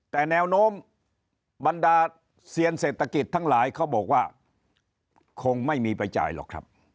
แต่แนวโน้มบรรดาเซียนเศรษฐกิจทั้งหลายเขาบอกว่าคงไม่มีไปจ่ายหรอกครับ